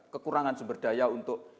kekurangan sumber daya untuk